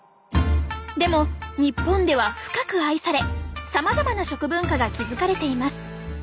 でも日本では深く愛されさまざまな食文化が築かれています。